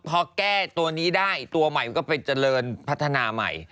พอแก้ตัวนี้ได้ตัวใหม่มันก็ไปเจริญพัฒนาใหม่